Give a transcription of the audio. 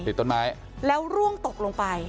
ติดต้นไม้แล้วร่วงตกลงไป